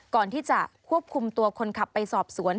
ก่อนที่จะควบคุมตัวคนขับไปสอบสวน